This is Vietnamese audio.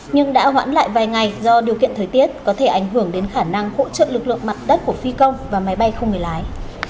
nhưng đã hoãn lại vài ngày do điều kiện thời tiết có thể ảnh hưởng đến khả năng hỗ trợ lực lượng mặt đất của phi công và máy bay không người lái